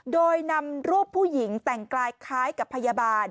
โดยนำรูปผู้หญิงแต่งกายคล้ายกับพยาบาล